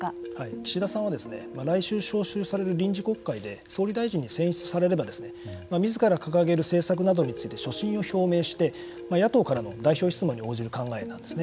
岸田さんは来週召集される臨時国会に総理大臣に選出されればみずから掲げる政策などについて所信を表明して野党からの代表質問に応じる考えなんですね。